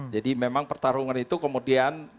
jadi memang pertarungan itu kemudian